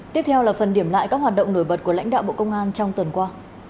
tiếp theo là phần điểm lại các hoạt động nổi bật của lãnh đạo bộ công an trong tuần qua